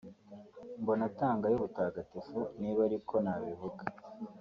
mbona atanga y’ubutagatifu niba ari ko nabivuga